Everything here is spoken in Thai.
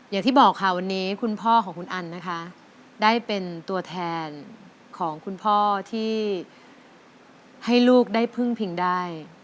อย่างที่บอกค่ะวันนี้คุณพ่อของคุณอันนะคะได้เป็นตัวแทนของคุณพ่อที่ให้ลูกได้พึ่งพิงได้